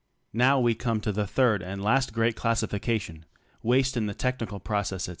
Now we come to the third and last great classi fication — waste in the technical pr ocess.